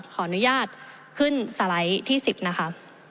ขออนุญาตขึ้นสไลด์ที่๑๐นะคะ